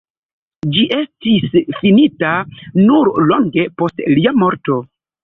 Ĝi estis finita nur longe post lia morto.